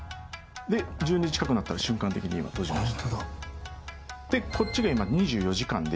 １２時近くなったら瞬間的に今閉じました。